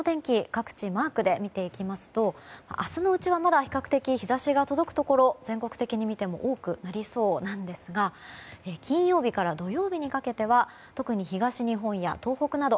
各地マークで見ていきますと明日のうちは、まだ比較的日差しが届くところが全国的に見ても多くなりそうなんですが金曜日から土曜日にかけては特に東日本や東北など